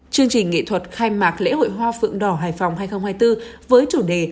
chương trình nghệ thuật khai mạc lễ hội hoa phượng đỏ hải phòng hai nghìn hai mươi bốn với chủ đề